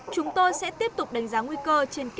chúng tôi sẽ tiếp tục đánh giá nguy cơ